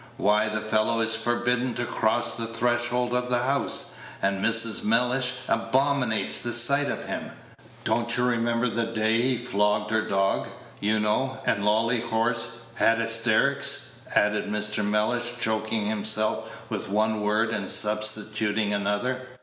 Why, the fellow is forbidden to cross the threshold of the house, and Mrs. Mellish abominates the sight of him. Don't you remember the day he flogged her dog, you know, and Lolly horse had hysterics?" added Mr. Mellish, choking himself with one word and substituting another.